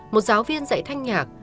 một giáo viên dạy thanh nhạc